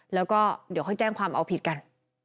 แล้วก็เดี๋ยวค่อยแจ้งความเอาผิดกัน